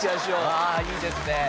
ああいいですね。